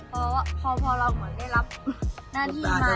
เพราะว่าพอเราเหมือนได้รับหน้าที่มา